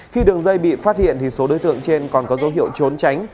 khi đường dây bị phát hiện thì số đối tượng trên còn có dấu hiệu trốn tránh